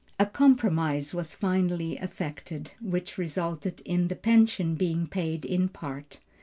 A compromise was finally effected, which resulted in the pension being paid in part.